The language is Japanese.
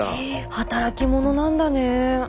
働き者なんだね。